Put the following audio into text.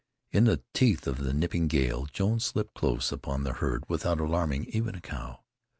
In the teeth of the nipping gale Jones slipped close upon the herd without alarming even a cow.